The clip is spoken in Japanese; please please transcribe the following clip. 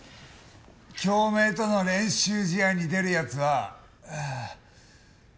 京明との練習試合に出る奴は。